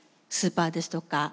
スーパーですとか